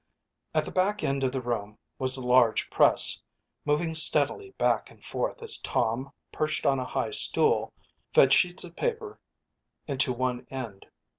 At the back end of the room was the large press, moving steadily back and forth as Tom, perched on a high stool, fed sheets of paper into one end.